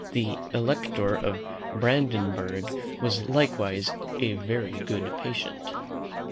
The Elector of Brandenburg was likewise a very good patient.